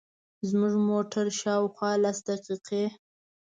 زموږ موټر شاوخوا لس دقیقې.